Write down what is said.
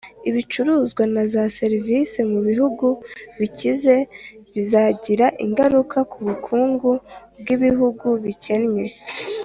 ibicuruzwa na za serivisi mu bihugu bikize bizagira ingaruka ku bukungu bw'ibihugu bikennye.